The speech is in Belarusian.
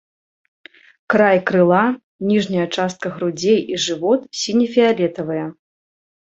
Край крыла, ніжняя частка грудзей і жывот сіне-фіялетавыя.